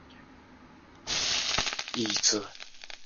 小型化和高效率的逆变器电路推广用于笔记型电脑。